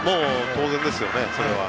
当然ですね、それは。